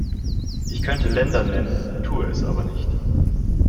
Ich könnte Länder nennen, tue es aber nicht.